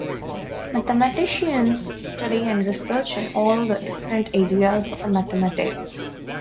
Mathematicians study and research in all the different areas of mathematics.